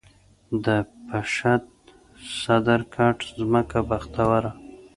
د پشد، صدرګټ ځمکه بختوره